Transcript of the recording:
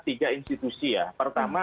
tiga institusi ya pertama